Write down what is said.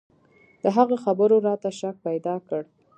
د هغه خبرو راته شک پيدا کړ.